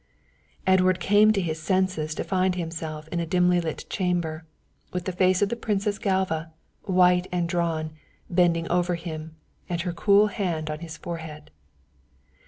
Edward came to his senses to find himself in a dimly lit chamber, with the face of the Princess Galva, white and drawn, bending over him, and her cool hand on his forehead.